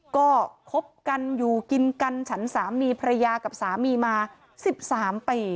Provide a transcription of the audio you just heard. ก็คบกันอยู่กินกันฉันสามีภรรยากับสามีมา๑๓ปี